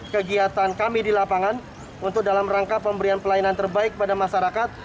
kegiatan kami di lapangan untuk dalam rangka pemberian pelayanan terbaik pada masyarakat